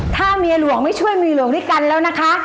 ถ้าเมียหลวงไม่ช่วยเมียหลวงด้วยกันแล้วนะคะ